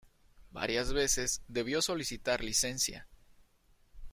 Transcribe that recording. Varias veces debió solicitar licencia.